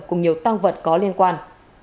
cùng nhiều tăng vật có liên quan